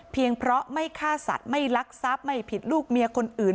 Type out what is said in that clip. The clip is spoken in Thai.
เพราะไม่ฆ่าสัตว์ไม่ลักทรัพย์ไม่ผิดลูกเมียคนอื่น